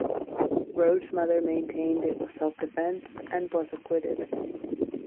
Rhodes mother maintained it was self-defense, and was acquitted.